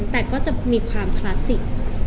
แต่ก็จะมีความคลาสสิก